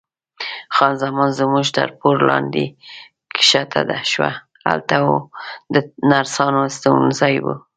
خان زمان زموږ تر پوړ لاندې کښته شوه، هلته د نرسانو استوګنځای و.